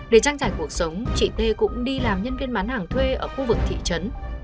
để tranh giải cuộc sống chị t cũng đi làm nhân viên bán hàng thuê ở khu vực thị trấn